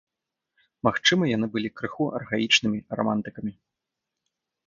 Магчыма, яны былі крыху архаічнымі, рамантыкамі.